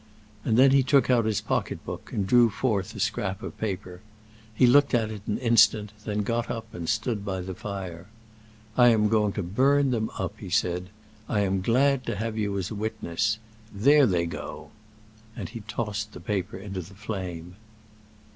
And then he took out his pocket book and drew forth a scrap of paper. He looked at it an instant, then got up and stood by the fire. "I am going to burn them up," he said. "I am glad to have you as a witness. There they go!" And he tossed the paper into the flame.